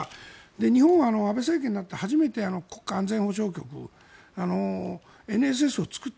日本は安倍政権になって初めて国家安全保障局を作った。